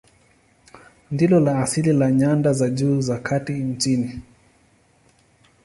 Ndilo la asili la nyanda za juu za kati nchini.